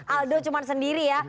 aldo cuma sendiri ya